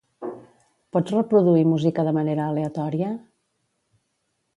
Pots reproduir música de manera aleatòria?